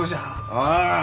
ああ！